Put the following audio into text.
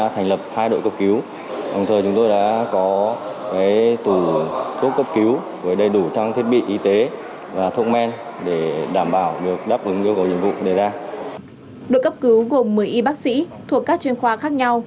thuộc các chuyên khoa khác nhau